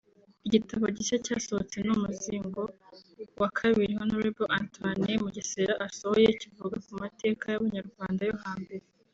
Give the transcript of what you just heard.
Igitabo gishya cyasohotse ni umuzingo wa kabiri Honorable Antoine Mugesera asohoye kivuga ku mateka y’Abanyarwanda yo hambere